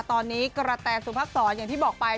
ตอนนี้กระแตสุภักษรอย่างที่บอกไป